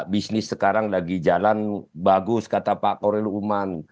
bisnis sekarang lagi jalan bagus kata pak koril uman